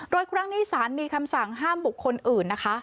โดยครั้งนี้สารมีคำสั่งห้ามบุคคลอื่นนะคะ